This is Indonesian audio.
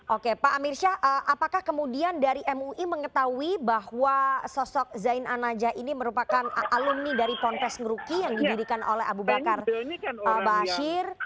oke pak amirsyah apakah kemudian dari mui mengetahui bahwa sosok zain an najah ini merupakan alumni dari ponpes ngeruki yang didirikan oleh abu bakar bashir